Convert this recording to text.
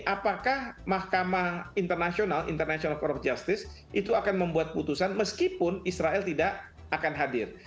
apakah mahkamah international cour of justice itu akan membuat putusan meskipun israel tidak akan hadir